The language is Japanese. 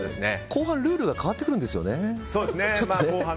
後半ルールが変わってくるんですよね。